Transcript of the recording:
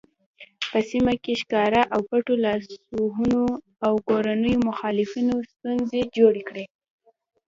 په سیمه کې ښکاره او پټو لاسوهنو او کورنیو مخالفتونو ستونزې جوړې کړې.